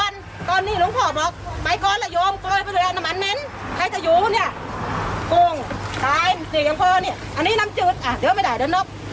อันนี้นำจืดเดี๋ยวไม่ได้เดินนอก